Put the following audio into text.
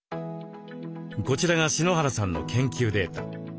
こちらが篠原さんの研究データ。